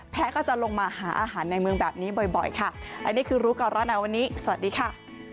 ก็จะลงมาหาอาหารในเมืองแบบนี้บ่อยบ่อยค่ะและนี่คือรู้ก่อนร้อนหนาวันนี้สวัสดีค่ะ